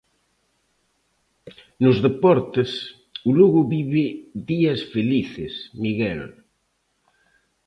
Nos deportes, o Lugo vive días felices, Miguel.